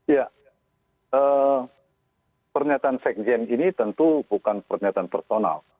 ya pernyataan sekjen ini tentu bukan pernyataan personal